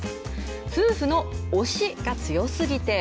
夫婦の推しが強すぎて。